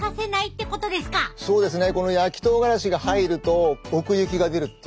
そうですね。